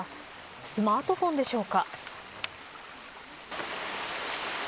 スマートフォンでしょうか。